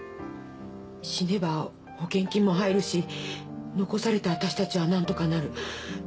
死ねば保険金も入るし残された私たちは何とかなる。